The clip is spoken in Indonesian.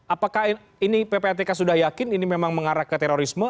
apakah ini ppatk sudah yakin ini memang mengarah ke terorisme